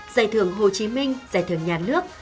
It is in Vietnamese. giải thưởng hồ chí minh giải thưởng nhà nước